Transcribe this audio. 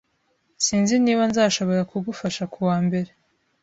Sinzi niba nzashobora kugufasha kuwa mbere.